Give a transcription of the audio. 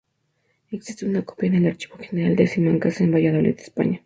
Existe una copia en el Archivo General de Simancas, en Valladolid, España.